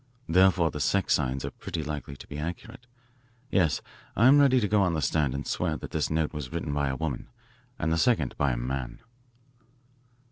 Therefore the sex signs are pretty likely to be accurate. Yes, I'm ready to go on the stand and swear that this note was written by a woman and the second by a man."